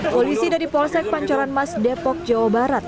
polisi dari polsek pancoran mas depok jawa barat